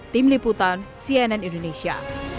tim liputan cnn indonesia